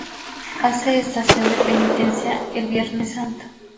Hace estación de penitencia el Viernes Santo.